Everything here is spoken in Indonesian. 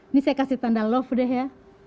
ini saya kasih tanda love deh ya